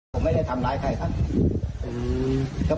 ผมไม่ได้ทำร้ายใครครับ